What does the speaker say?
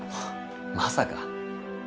まさか。